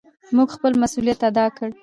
مونږ خپل مسؤليت ادا کړ.